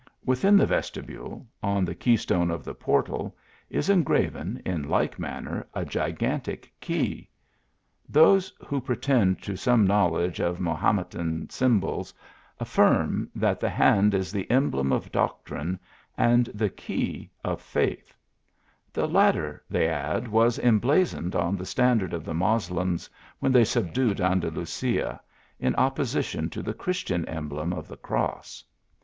Within the vestibule, on the key stone of the portal, is engraven, in like manner, a gigantic key. Those who pretend to some knowledge of Mahometan symbols, affirm, that the hand is the emblem of doc trine, and the key, of faith ; the latter, they add, was emblazoned on the standard of the Moslems when they subdued Andalusia, in opposition to the Chris tian emblem of the cross.